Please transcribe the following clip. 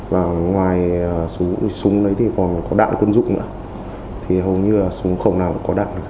và ngoài súng đấy thì còn có đạn quân dụng nữa thì hầu như là súng không nào có đạn